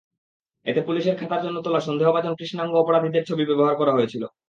এতে পুলিশের খাতার জন্য তোলা সন্দেহভাজন কৃষ্ণাঙ্গ অপরাধীদের ছবি ব্যবহার করা হয়েছিল।